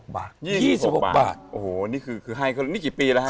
๒๖บาท๒๖บาทโอ้โหนี่กี่ปีแล้วครับ